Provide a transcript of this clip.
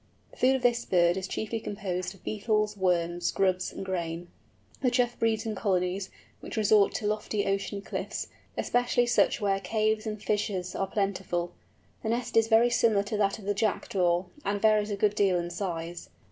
The food of this bird is chiefly composed of beetles, worms, grubs, and grain. The Chough breeds in colonies, which resort to lofty ocean cliffs, especially such where caves and fissures are plentiful. The nest is very similar to that of the Jackdaw, and varies a good deal in size.